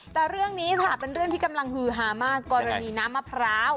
แต่เรื่องนี้ค่ะเป็นเรื่องที่กำลังฮือฮามากกรณีน้ำมะพร้าว